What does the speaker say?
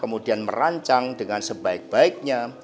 kemudian merancang dengan sebaik baiknya